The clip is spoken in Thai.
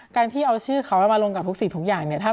การที่เอาชื่อเขามาลงกับทุกสิ่งทุกอย่างเนี่ย